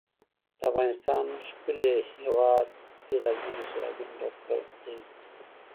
د افغانستان ښکلی هېواد له بېلابېلو سیلابونو ډک دی.